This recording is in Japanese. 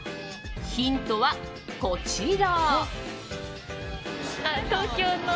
ヒントは、こちら。